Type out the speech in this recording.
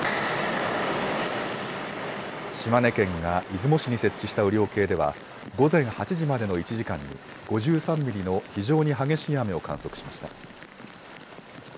島根県が出雲市に設置した雨量計では午前８時までの１時間に５３ミリの非常に激しい雨を観測しました。